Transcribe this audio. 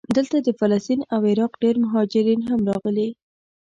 دلته د فلسطین او عراق ډېر مهاجرین هم راغلي.